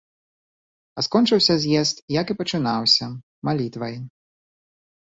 А скончыўся з'езд, як і пачынаўся, малітвай.